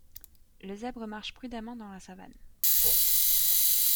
Le zèbre marche prudemment dans la savane.